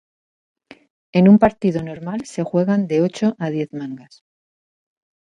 En un partido normal se juegan de ocho a diez mangas.